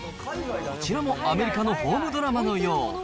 こちらもアメリカのホームドラマのよう。